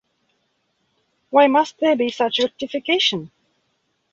Why must there be such rectification?